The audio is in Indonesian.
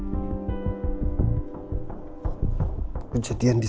kejadian di satu austria